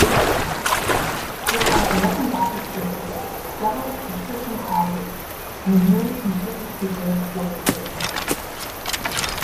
There are eleven Gothic churches, several patricians' houses and a nearly completely preserved fortification.